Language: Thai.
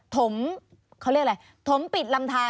ถมเขาเรียกอะไรถมปิดลำทาน